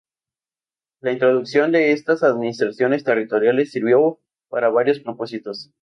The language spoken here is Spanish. La introducción de estas administraciones territoriales sirvió para varios propósitos.